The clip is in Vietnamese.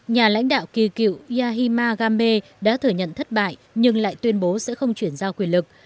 nhà lãnh đạo kỳ cựu yahima game đã thừa nhận thất bại nhưng lại tuyên bố sẽ không chuyển giao quyền lực